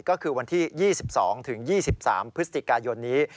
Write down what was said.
ก็คือวันที่๒๒๒๓พฤศจิกายนนี้